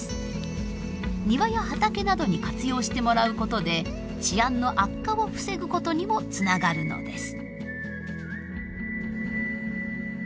庭や畑などに活用してもらうことで治安の悪化を防ぐことにもつながるのです。